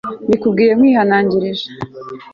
mbikubwiye nkwihanangirije